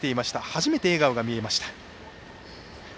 初めて笑顔が見えました。